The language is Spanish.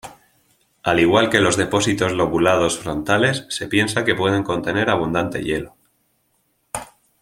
Al igual que los depósitos lobulados frontales, se piensa que pueden contener abundante hielo.